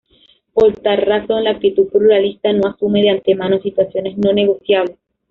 Por tal razón la actitud pluralista no asume, de antemano, situaciones no negociables.